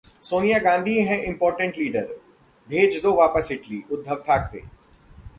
सोनिया गांधी हैं 'imported leader', भेज दो वापस इटलीः उद्धव ठाकरे